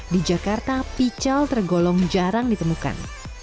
di jakarta pical tergolong jarang ditemukan